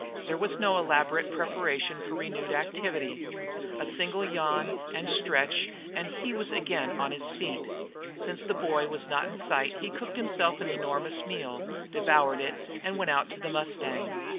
There was no elaborate preparation for renewed activities. A single yawn and stretch and he was again on his feet. Since the boy was not in sight he cooked himself an enormous meal, devoured it, and went out to the mustang.